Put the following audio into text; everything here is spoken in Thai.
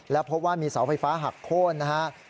แล้วพบว่ามีเสาไฟฟ้าหักโค้นนะครับ